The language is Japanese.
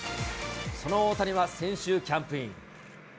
その大谷は先週、キャンプイン。